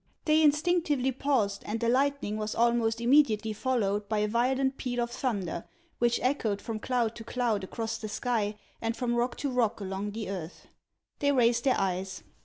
They instinctively paused, and the lightning was almost immediately followed by a violent peal of thunder, which echoed from cloud to cloud across the sky, and from rock to rock along the earth. They raised their eyes.